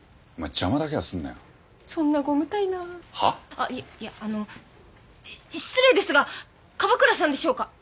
あっいいやあの失礼ですが樺倉さんでしょうか？